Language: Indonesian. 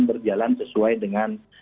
berjalan sesuai dengan